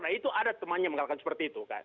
nah itu ada temannya mengatakan seperti itu kan